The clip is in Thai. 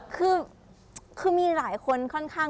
คือมีหลายคนค่อนข้าง